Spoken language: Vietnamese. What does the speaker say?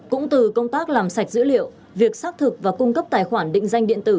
cũng từ công tác làm sạch dữ liệu việc xác thực và cung cấp tài khoản định danh điện tử